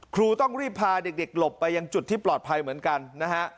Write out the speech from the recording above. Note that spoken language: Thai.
ครูต้องรีบพาเด็กหลบไปยังจุดที่ปลอดภัยเหมือนกันนะฮะ